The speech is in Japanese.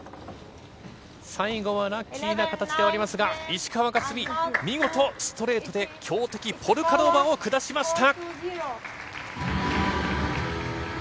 最後はラッキーな形でありますが、石川佳純、見事ストレートで強敵、ポルカノバを下しました。